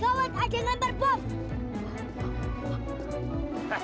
gawat ada yang lembar bos